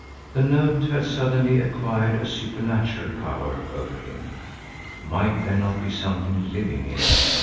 The note had suddenly acquired a supernatural power over him. Might there not be something living in it?